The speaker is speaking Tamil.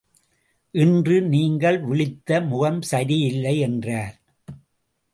இன்று நீங்கள் விழித்த முகம் சரி இல்லை என்றார்.